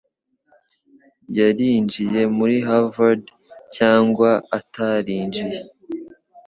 yarinjiye muri Harvard cyangwa atarinjiye